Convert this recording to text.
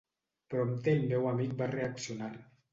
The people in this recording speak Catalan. Prompte el meu amic va reaccionar.